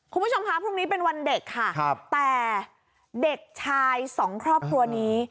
คุณผู้ชมคะพรุ่งนี้เป็นวันเด็กค่ะแต่เด็กชายสองครอบครัวนี้